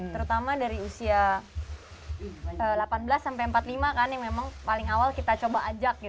terutama dari usia delapan belas sampai empat puluh lima kan yang memang paling awal kita coba ajak